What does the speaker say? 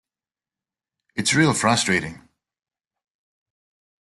It's real frustrating...